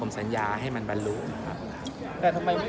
ผมสัญญาให้มันบรรลุครับแต่ทำไมไม่ยอมคุยกับทางพักก่อนนะครับ